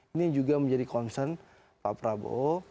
ini juga menjadi concern pak prabowo